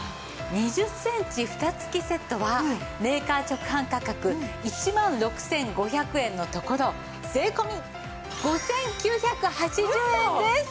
２０センチフタ付きセットはメーカー直販価格１万６５００円のところ税込５９８０円です！